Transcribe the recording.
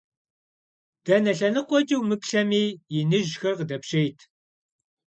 Дэнэ лъэныкъуэкӏэ умыплъэми, иныжьхэр къыдэпщейт.